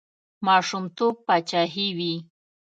ماشومتوب پاچاهي وي.